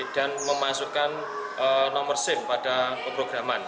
dan memasukkan nomor sim pada pemrograman